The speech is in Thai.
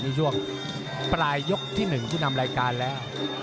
ในช่วงปลายยกที่๑ผู้นำรายการแล้ว